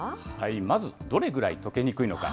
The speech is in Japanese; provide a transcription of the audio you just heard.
まず、どれぐらい溶けにくいのか。